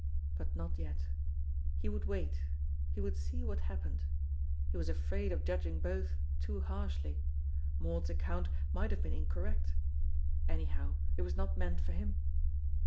But not yet. He would wait; he would see what happened. He was afraid of judging both too harshly. Maud's account might have been incorrect; anyhow it was not meant for him.